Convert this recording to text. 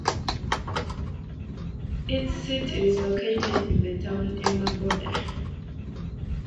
Its seat is located in the town Emmaboda.